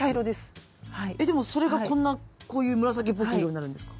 えっでもそれがこんなこういう紫っぽい色になるんですか？